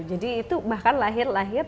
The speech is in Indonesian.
jadi itu bahkan lahir lahir